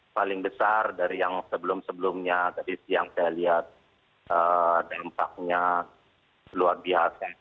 paling besar dari yang sebelum sebelumnya tadi siang saya lihat dampaknya luar biasa